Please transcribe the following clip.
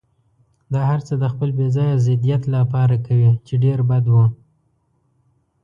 دا هرڅه د خپل بې ځایه ضدیت لپاره کوي، چې ډېر بد و.